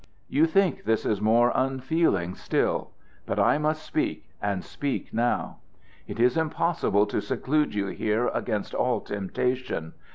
You think this is more unfeeling still. But I must speak, and speak now. It is impossible to seclude you here against all temptation.